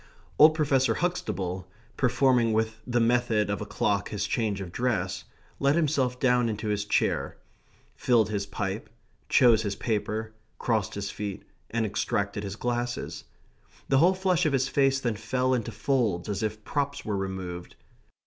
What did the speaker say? Old Professor Huxtable, performing with the method of a clock his change of dress, let himself down into his chair; filled his pipe; chose his paper; crossed his feet; and extracted his glasses. The whole flesh of his face then fell into folds as if props were removed.